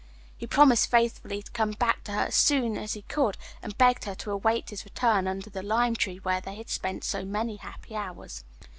He promised faithfully to come back to her as soon as he could and begged her to await his return under the lime tree where they had spent so many happy hours.